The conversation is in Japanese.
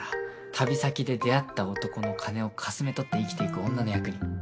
旅先で出会った男の金をかすめ取って生きていく女の役に。